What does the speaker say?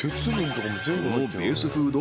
このベースフード